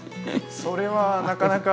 それはなかなか。